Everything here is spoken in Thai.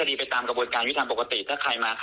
ว่าจะไปอะไรกับเขามาก